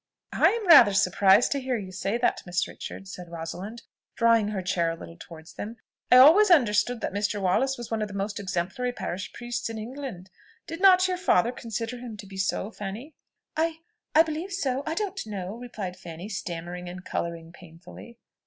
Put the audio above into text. "I am rather surprised to hear you say that, Miss Richards," said Rosalind, drawing her chair a little towards them. "I always understood that Mr. Wallace was one of the most exemplary parish priests in England. Did not your father consider him to be so, Fanny?" "I I believe so, I don't know," replied Fanny, stammering and colouring painfully.